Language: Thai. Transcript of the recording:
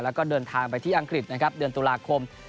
แล้วก็เดินทางไปที่อังกฤษนะครับเดือนตุลาคม